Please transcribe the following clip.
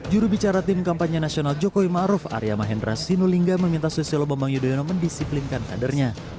juru bicara tim kampanye nasional jokowi maruf arya mahendra sinulingga meminta sosial obang obang yudhoyono mendisiplinkan kadernya